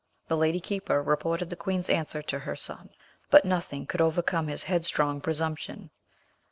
The lady keeper reported the queen's answer to her son, but nothing could overcome his headstrong presumption.